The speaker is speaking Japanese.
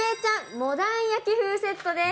モダン焼き風セットです。